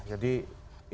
jadi itu ada